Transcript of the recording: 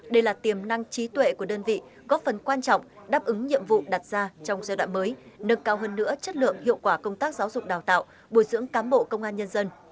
đây là tiềm năng trí tuệ của đơn vị góp phần quan trọng đáp ứng nhiệm vụ đặt ra trong giai đoạn mới nâng cao hơn nữa chất lượng hiệu quả công tác giáo dục đào tạo bồi dưỡng cán bộ công an nhân dân